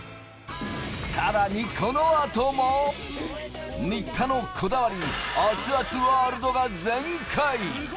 さらにこの後も、新田のこだわり、熱々ワールドが全開！